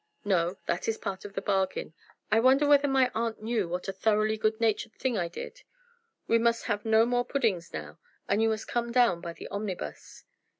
"No; that is part of the bargain. I wonder whether my aunt knew what a thoroughly good natured thing I did. We must have no more puddings now, and you must come down by the omnibus."